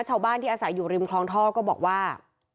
ชาวบ้านที่อาศัยอยู่ริมคลองท่อก็บอกว่า